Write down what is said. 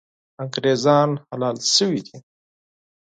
انګریزان حلال سوي دي.